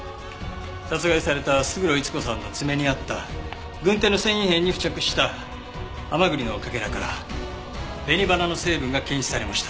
殺害された勝呂伊津子さんの爪にあった軍手の繊維片に付着した蛤のかけらから紅花の成分が検出されました。